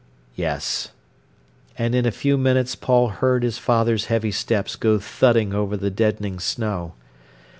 "Yes." And in a few minutes Paul heard his father's heavy steps go thudding over the deadening snow.